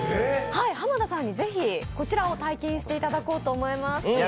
濱田さんにぜひこちらを体験していただこうと思います。